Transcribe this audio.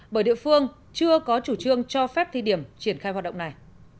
bởi địa phương chưa có chủ trương cho phép thi điểm triển khai hoạt động này